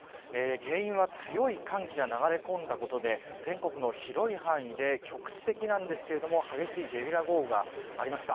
原因は強い寒気が流れ込んだことで全国の広い範囲で局地的なんですけれども激しいゲリラ豪雨がありました。